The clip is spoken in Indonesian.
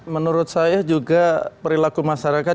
menurut saya juga perilaku masyarakat